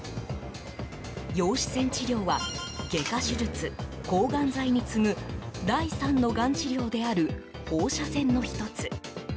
陽子線治療は外科手術、抗がん剤に次ぐ第３のがん治療である放射線の１つ。